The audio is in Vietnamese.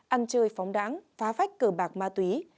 ăn chơi phóng đá phá vách cờ bạc ma túy